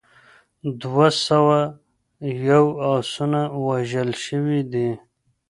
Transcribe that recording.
دوه سوه یو اسونه وژل شوي دي.